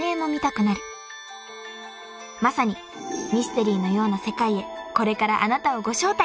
［まさにミステリーのような世界へこれからあなたをご招待！］